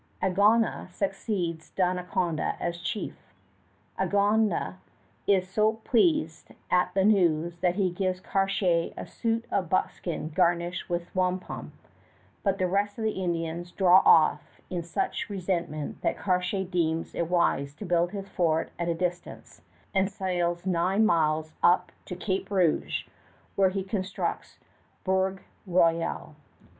Agona succeeds Donnacona as chief. Agona is so pleased at the news that he gives Cartier a suit of buckskin garnished with wampum, but the rest of the Indians draw off in such resentment that Cartier deems it wise to build his fort at a distance, and sails nine miles up to Cape Rouge, where he constructs Bourg Royal.